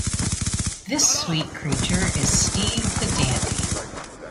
This sweet creature is Steve the Dandy.